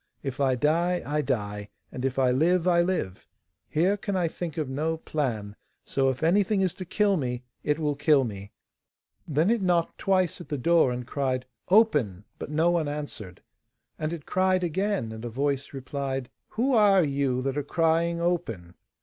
If I die, I die, and if I live, I live. Here can I think of no plan, so if anything is to kill me, it will kill me.' Then it knocked twice at the door, and cried 'Open,' but no one answered. And it cried again, and a voice replied: 'Who are you that are crying "Open"?